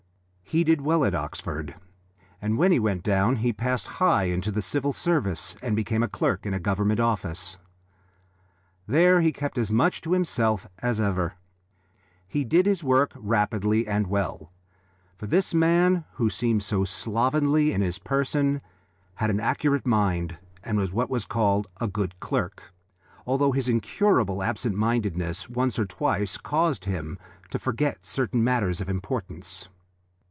He did well at Oxford, and when he went down he passed high into the Civil Service and became a clerk in a Government office. There he kept as much to himself as ever. He did his work rapidly and well, for this man, who seemed so slovenly in his person, had an accurate mind, and was what was called a good clerk, although his incurable absent mindedness once or twice caused him to forget certain matters of importance.